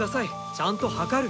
ちゃんと量る！